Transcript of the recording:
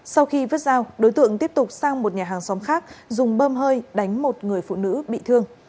sau khi vớt dao đối tượng tiếp tục sang một nhà hàng xóm khác dùng bơm hơi đánh một người phụ nữ bị thương